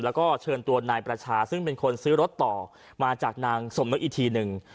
แล้วก็เชิญตัวนายประชาซึ่งเป็นคนซื้อรถต่อมาจากนางสมนึกอีกทีหนึ่ง